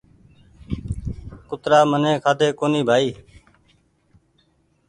ڪُترآ مني کآڌي ڪُوني بآئي